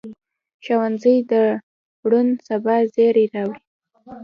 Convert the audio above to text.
ښوونځی د روڼ سبا زېری راوړي